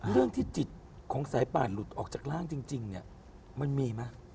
เรื่องที่จิตของสายป่านหลุดออกจากร่างจริงเนี่ยมันมีไหม